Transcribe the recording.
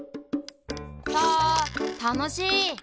サたのしい！